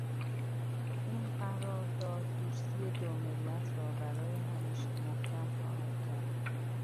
این قرار داد دوستی دو ملت را برای همیشه محکم خواهد کرد.